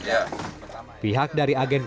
tetapi ketika masih belum